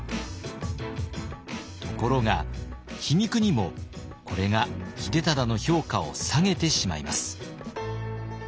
ところが皮肉にもこれが秀忠の評価を下げてしまいます。